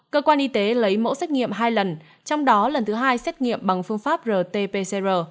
cơ quan y tế lấy mẫu xét nghiệm hai lần trong đó lần thứ hai xét nghiệm bằng phương pháp rt pcr